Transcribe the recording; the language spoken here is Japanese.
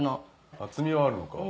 厚みはあるのか。